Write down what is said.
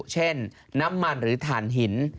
เช่นน้ำมันหรือถ่านหิน